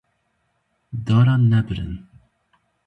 Daran ne birin